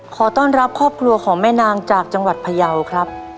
ขอต้อนรับครอบครัวของแม่นางจากจังหวัดพยาวครับ